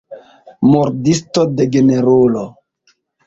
Murdisto, degenerulo.